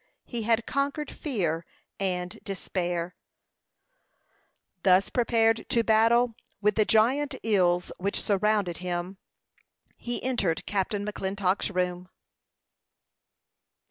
He had conquered fear and despair. Thus prepared to battle with the giant ills which surrounded him, he entered Captain McClintock's room.